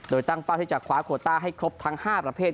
โดยตั้งเป้าที่จะคว้าโคต้าให้ครบทั้ง๕ประเภท